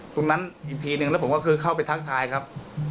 อีกทีนึงแล้วผมก็คือเข้าไปทักทายครับ